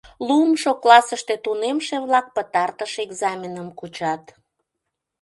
Луымшо классыште тунемше-влак пытартыш экзаменым кучат.